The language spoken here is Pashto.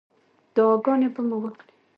دعاګانې به مو وکړې.